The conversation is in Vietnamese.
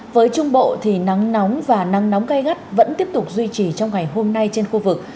với trung bộ thì nắng nóng và nắng nóng gai gắt vẫn tiếp tục duy trì trong ngày hôm nay trên khu vực